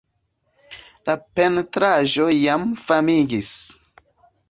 La pentraĵo jam famiĝis.